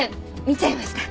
見ちゃいました。